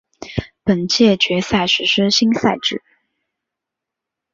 本届决赛实施新赛制。